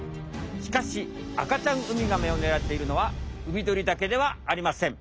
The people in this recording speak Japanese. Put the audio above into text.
しかし赤ちゃんウミガメをねらっているのはウミドリだけではありません」。